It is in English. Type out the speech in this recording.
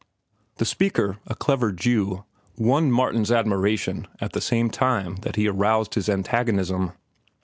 The speaker, a clever Jew, won Martin's admiration at the same time that he aroused his antagonism.